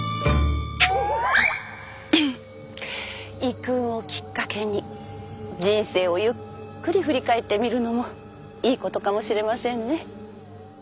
遺訓をきっかけに人生をゆっくり振り返ってみるのもいいことかもしれませんね。